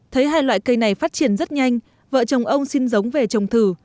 thấy hai loại cây này phát triển rất nhanh vợ chồng ông xin giống về trồng thử